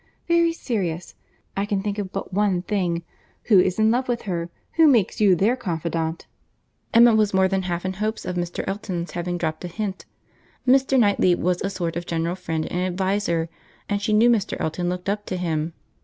"Very serious! I can think of but one thing—Who is in love with her? Who makes you their confidant?" Emma was more than half in hopes of Mr. Elton's having dropt a hint. Mr. Knightley was a sort of general friend and adviser, and she knew Mr. Elton looked up to him.